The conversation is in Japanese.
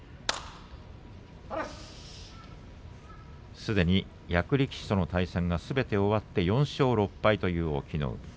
すでに役力士との対戦はすべて終わって４勝６敗という隠岐の海です。